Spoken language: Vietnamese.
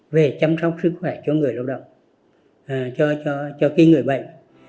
về chăm sóc sức khỏe cho người lâu động cho cái người bệnh